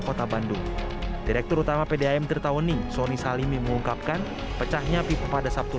kota bandung direktur utama pdam tirtawaning soni salimi mengungkapkan pecahnya pipa pada sabtu